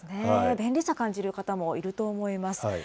便利さ感じる方も多いと思います。